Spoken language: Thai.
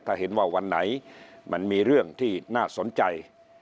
ถ้าเห็นว่าวันไหนมันมีเรื่องที่น่าสนใจ